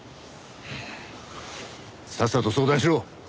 さっさと相談しろ！